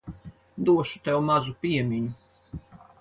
Došu tev mazu piemiņu.